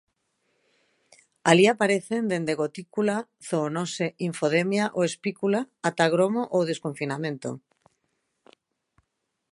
Alí aparecen dende gotícula, zoonose, infodemia ou espícula ata gromo ou desconfinamento.